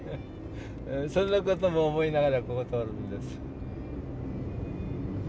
そんなことも思いながらここ通るんです。